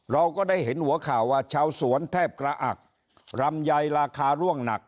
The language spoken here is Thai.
เราก็ได้เห็นหัวข่าวว่าชาวสวนแทบกระอักรำไยราคาร่วงหนัก